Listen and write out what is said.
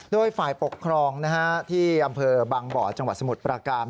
โดยฝ่ายปกครองที่อำเภอบางบ่อจังหวัดสมุทรปราการ